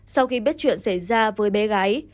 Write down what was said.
sau khi biết chuyện xảy ra với bé gái